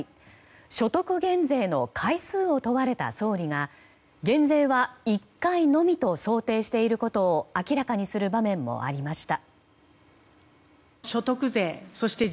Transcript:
所得減税の回数を問われた総理が減税は１回のみと想定していることを明らかにする場面もありました。